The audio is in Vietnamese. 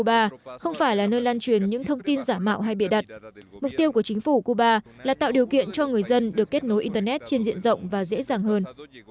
không phải là nơi lan truyền những thông tin giả mạo hay bịa đặt mục tiêu của chính phủ cuba là tạo điều kiện cho người dân được kết nối internet trên diện rộng và dễ dàng hơn